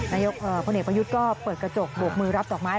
นายกพลเอกประยุทธ์ก็เปิดกระจกบวกมือรับดอกไม้